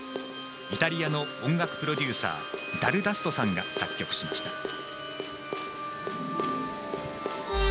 イタリアの音楽プロデューサーダルダストさんが作曲しました。